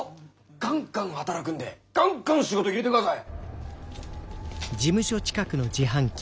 ガンガン働くんでガンガン仕事入れてください！